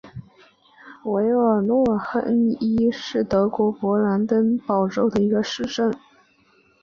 韦尔诺伊亨是德国勃兰登堡州的一个市镇。